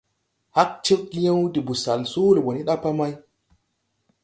Hag cegyěw de busal Soole ɓɔ ni ɗa pa may.